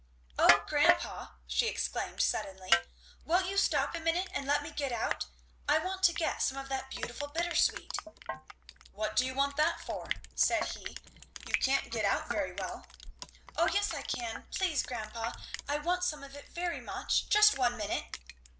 "O grandpa," she exclaimed suddenly, "won't you stop a minute and let me get out. I want to get some of that beautiful bittersweet." "What do you want that for?" said he. "You can't get out very well." "O yes I can please, grandpa! I want some of it very much just one minute!"